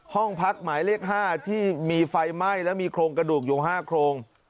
ห้องพักหมายเลข๕ที่มีไฟไหม้และมีโครงกระดูกอยู่๕โครง